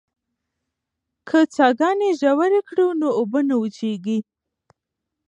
که څاګانې ژورې کړو نو اوبه نه وچېږي.